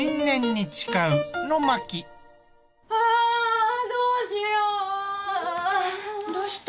あぁどうしよう。